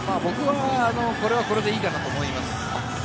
僕はこれはこれでいいかなと思います。